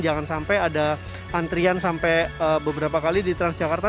jangan sampai ada antrian sampai beberapa kali di transjakarta